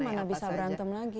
mana bisa berantem lagi